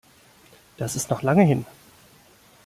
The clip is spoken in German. Das ist noch lange hin.